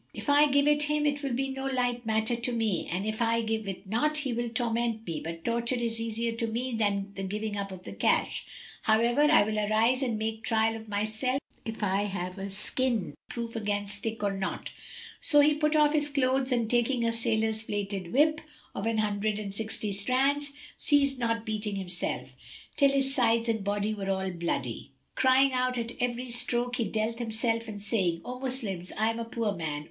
If I give it him, it will be no light matter to me, and if I give it not, he will torment me; but torture is easier to me than the giving up of the cash.[FN#277] However, I will arise and make trial of myself if I have a skin proof against stick or not." So he put off his clothes and taking a sailor's plaited whip, of an hundred and sixty strands, ceased not beating himself, till his sides and body were all bloody, crying out at every stroke he dealt himself and saying "O Moslems! I am a poor man!